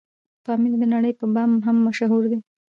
پامير دنړۍ په بام هم مشهور دی